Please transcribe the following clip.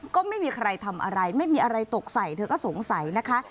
ก็ไม่มีใครทำอะไรไม่มีอะไรตกใส่เธอก็สงสัยนะคะ